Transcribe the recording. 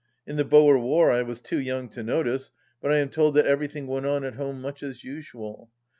In the Boer War I was too young to notice, but I am told that everything went on at home much as usual.